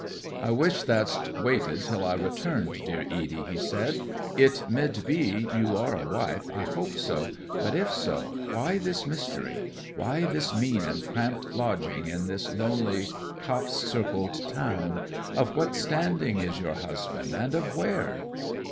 'I wish th' 'dst waited till I returned, dear Edy,' he said. 'It mid be you are a wife I hope so. But, if so, why this mystery? Why this mean and cramped lodging in this lonely copse circled town? Of what standing is your husband, and of where?'